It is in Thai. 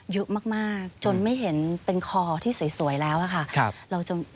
เยอะมากจนไม่เห็นเป็นคอที่สวยแล้วค่ะ